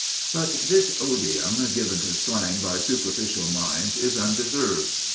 But this odium given to slang by superficial minds is undeserved.